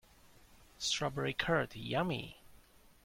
Strawberry curd, yummy!